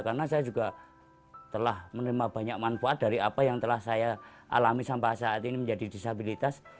karena saya juga telah menerima banyak manfaat dari apa yang telah saya alami sampai saat ini menjadi disabilitas